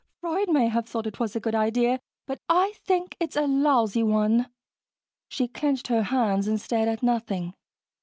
"Freud may have thought it was a good idea, but I think it's a lousy one." She clenched her hands and stared at nothing.